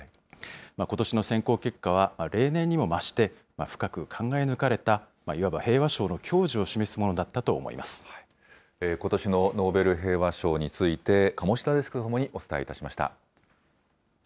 ことしの選考結果は例年にも増して深く考え抜かれた、いわば平和賞の矜持を示すものだったと思わことしのノーベル平和賞について、鴨志田デスクとともにお伝えしました。